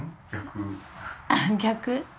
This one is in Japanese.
逆？